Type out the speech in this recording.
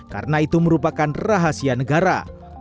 karena itu merupakan rahasia negara